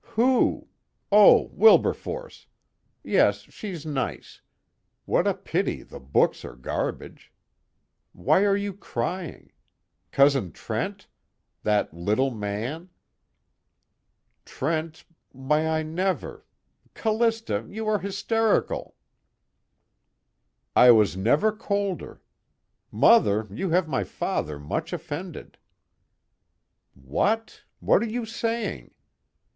"Who? oh, Wilberforce. Yes, she's nice what a pity the books are garbage. Why are you crying? Cousin Trent? That little man?" "Trent why, I never Callista, you are hysterical." "I was never colder. 'Mother, you have my father much offended.'" "What? What are you saying?"